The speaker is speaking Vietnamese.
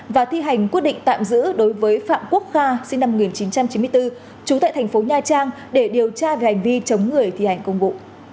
và thi hành quyết định tạm giữ đối với phạm quốc kha sinh năm một nghìn chín trăm chín mươi bốn trú tại thành phố nha trang để điều tra về hành vi chống người thi hành công vụ